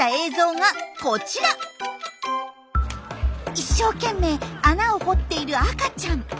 一生懸命穴を掘っている赤ちゃん。